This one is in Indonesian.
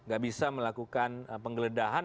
nggak bisa melakukan penggeledahan